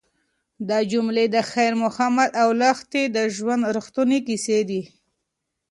دا جملې د خیر محمد او لښتې د ژوند رښتونې کیسې دي.